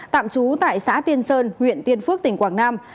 tạm trú tại xã tiên sơn huyện tiên phước tỉnh quảng nam